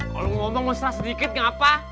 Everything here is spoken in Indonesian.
kalau ngomong usah sedikit kenapa